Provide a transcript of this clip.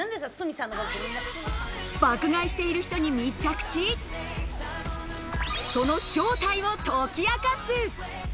爆買いしている人に密着し、その正体を解き明かす。